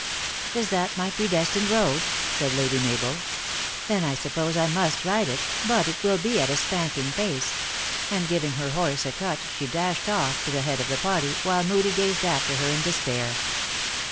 " Is that my predestined road ?" said Lady Mabel. " Then I suppose I must ride it, but it will be at a spanking pace," and giving her horse a cut she dashed off to the head of the party, while Moodie gazed after her in despair.